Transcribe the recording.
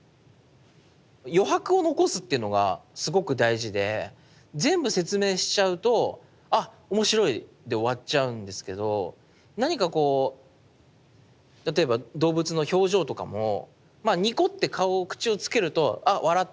余白を残すっていうのがすごく大事で全部説明しちゃうとあっ面白いで終わっちゃうんですけど何かこう例えば動物の表情とかもまあニコッて顔を口をつけるとあ笑ってるって分かるんだけども